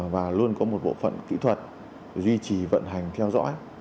và luôn có một bộ phận kỹ thuật duy trì vận hành theo dõi